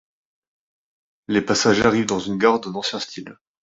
Les passagers arrivent dans une gare d'un ancien style.